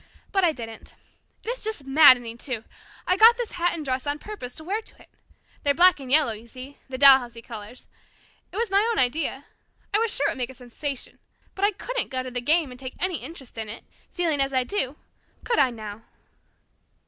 But I didn't. It is just maddening, too. I got this hat and dress on purpose to wear to it. They're black and yellow, you see the Dalhousie colours. It was my own idea. I was sure it would make a sensation. But I couldn't go to the game and take any interest in it, feeling as I do, could I, now?"